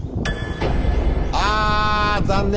あ残念！